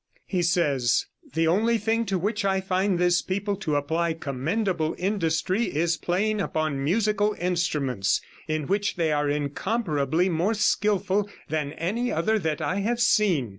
He says: "The only thing to which I find this people to apply commendable industry is playing upon musical instruments, in which they are incomparably more skillful than any other that I have seen.